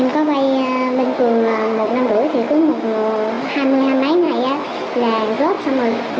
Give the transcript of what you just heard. em có vai bình thường là một năm rưỡi thì cứ hai mươi hay mấy ngày là góp xong rồi